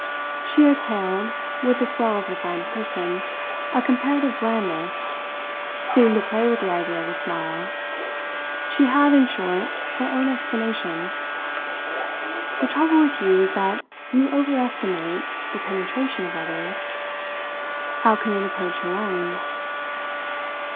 She exhaled, with the swell of her fine person, a comparative blandness seemed to play with the idea of a smile. She had, in short, her own explanation. "The trouble with you is that you over estimate the penetration of others. How can it approach your own?"